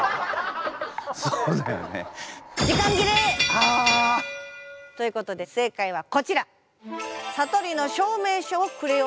あ！ということで正解はこちら！